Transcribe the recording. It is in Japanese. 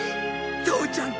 父ちゃん